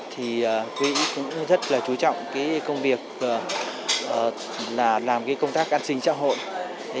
thì quỹ cũng rất là chú trọng công việc làm công tác an sinh trang hội